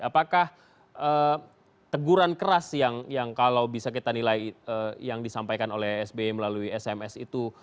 apakah teguran keras yang kalau bisa kita nilai yang disampaikan oleh sby melalui sms itu